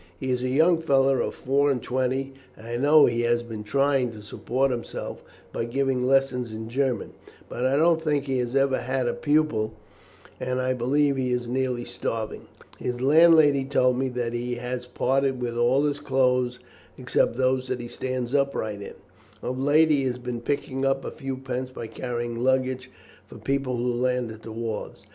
He is a young fellow of four and twenty, and I know he has been trying to support himself by giving lessons in German, but I don't think that he has ever had a pupil, and I believe he is nearly starving. His landlady told me that he has parted with all his clothes except those that he stands upright in. Of late he has been picking up a few pence by carrying luggage for people who land at the wharves.